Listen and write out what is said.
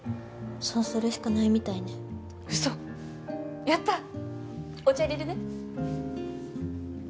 そうするしかないみたいね嘘やったお茶いれるね